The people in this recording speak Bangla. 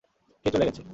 কে চলে গেছে?